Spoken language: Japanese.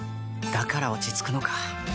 だから落ち着くのか。